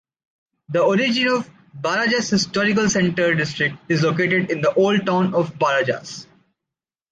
The origin of the Barajas historical center district is located in the old town of Barajas.